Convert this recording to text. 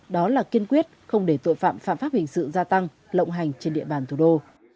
đó là kiên quyết không để tội phạm phạm pháp hình sự gia tăng lộng hành trên địa bàn thủ đô